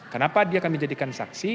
kenapa dia akan dijadikan saksi